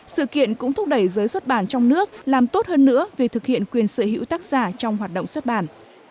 sự kiện cũng thúc đẩy giới xuất bản trong nước làm tốt hơn nữa việc thực hiện quyền sở hữu tác giả trong hoạt động xuất bản